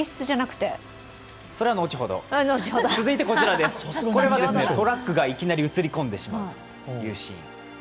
それは後ほどトラックがいきなり映り込んでしまうというシーン。